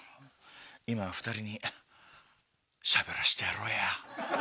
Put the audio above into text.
今は２人にしゃべらしてやろうや。